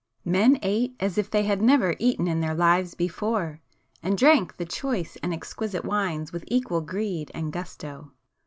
Men ate as if they had never eaten in their lives before, and drank the choice and exquisite wines with equal greed and gusto.